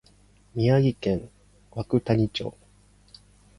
宮城県涌谷町